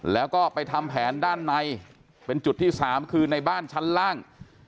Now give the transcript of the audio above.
แล้วก็ไปทำแผนด้านในเป็นจุดที่สามคือในบ้านชั้นล่าง